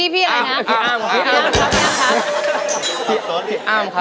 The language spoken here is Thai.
พี่อ้อมครับ